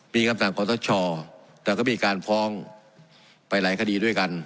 มีคำสั่งขอสชแต่ก็มีการฟ้องไปหลายคดีด้วยกัน